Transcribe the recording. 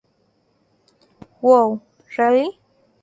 Wow, Really?